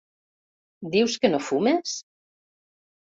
Dius que no fumes?